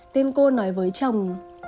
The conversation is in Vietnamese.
tên cô nói với chồng